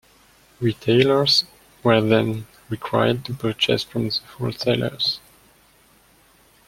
Retailers were then required to purchase from the wholesalers.